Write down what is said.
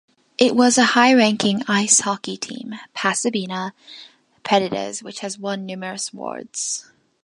It has a high-ranking ice hockey team, Pasadena Predators, which has won numerous awards.